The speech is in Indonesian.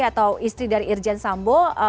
atau istri dari irjen sambo